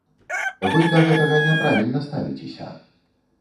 Вы да гэтага няправільна ставіцеся.